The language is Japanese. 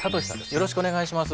よろしくお願いします。